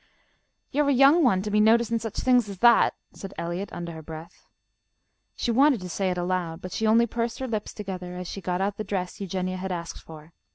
"You are a young one to be noticing such things as that," said Eliot, under her breath. She wanted to say it aloud, but she only pursed her lips together as she got out the dress Eugenia had asked for.